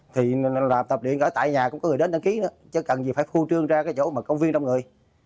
thì tập luyện ở tại nhà cũng có người đến đăng ký nữa chứ cần gì phải phu trương ra cái chỗ công viên đông người